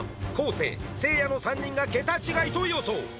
生せいやの３人がケタ違いと予想